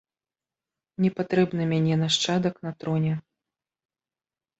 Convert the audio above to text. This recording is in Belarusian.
Не патрэбны мяне нашчадак на троне.